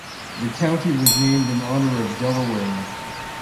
The county was named in honor of Delaware.